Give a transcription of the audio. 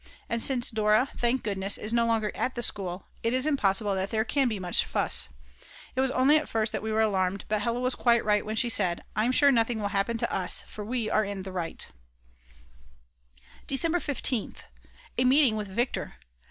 And since Dora, thank goodness, is no longer at the school, it is impossible that there can be much fuss. It was only at first that we were alarmed, but Hella was quite right when she said: "I'm sure nothing will happen to us, for we are in the right." December 15th. A meeting with Viktor!!!